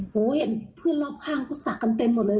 เห็นเพื่อนรอบข้างเขาสักกันเต็มหมดเลย